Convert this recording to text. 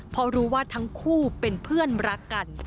เพราะรู้ว่าทั้งคู่เป็นเพื่อนรักกัน